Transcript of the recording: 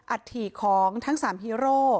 อัฐิของทั้ง๓ฮีโร่